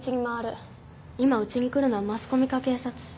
今うちに来るのはマスコミか警察。